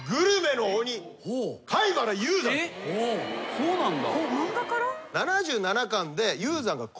そうなんだ。